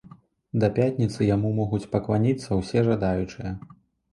Да пятніцы яму могуць пакланіцца ўсе жадаючыя.